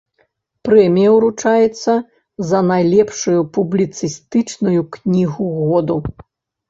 Прэмія ўручаецца за найлепшую публіцыстычную кнігу году.